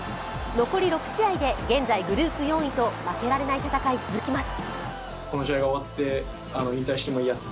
残り６試合で、現在グループ４位と負けられない戦い、続きます。